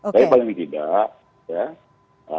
tapi paling tidak ya